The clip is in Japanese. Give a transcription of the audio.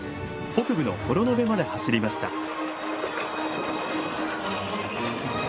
北部の幌延まで走りました。